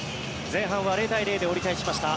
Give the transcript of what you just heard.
前半は０対０で折り返しました。